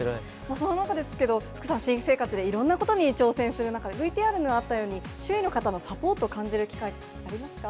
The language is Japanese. その中ですけど、福さん、新生活でいろんなことに挑戦する中で、ＶＴＲにもあったように、周囲の方のサポートを感じる機会とかありますか？